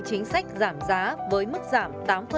chính sách giảm giá với mức giảm